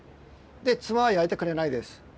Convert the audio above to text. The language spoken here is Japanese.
妻は焼いてくれないです。